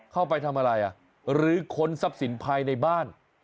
เข้าไปทำอะไรหรือค้นทรัพย์สินภายในบ้าน